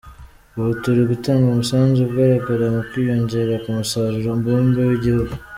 Ubu turi gutanga umusanzu ugaragara mu kwiyongera ku musaruro mbumbe w’igihugu.